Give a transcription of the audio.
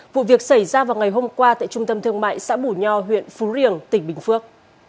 vụ việc xảy ra vào ngày hôm qua tại trung tâm thương mại xã bù nho huyện phú riềng tỉnh bình phước